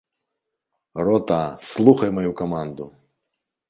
Рота, слухай маю каманду!